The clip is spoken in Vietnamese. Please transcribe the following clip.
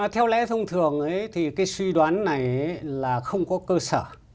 theo lẽ thông thường thì cái suy đoán này là không có cơ sở